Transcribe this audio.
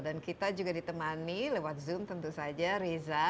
dan kita juga ditemani lewat zoom tentu saja reza